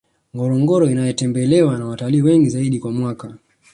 ngorongoro inayotembelewa na watalii wengi zaidi kwa mwaka